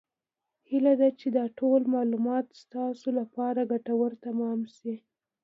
هیله ده چې دا ټول معلومات ستاسو لپاره ګټور تمام شي.